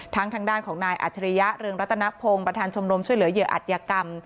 ทางด้านของนายอัจฉริยะเรืองรัตนพงศ์ประธานชมรมช่วยเหลือเหยื่ออัธยกรรม